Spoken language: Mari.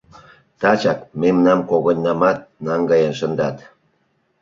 — Тачак мемнам когыньнамат наҥгаен шындат.